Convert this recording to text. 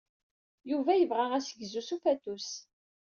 Yuba yebɣa assegzu s ufatus.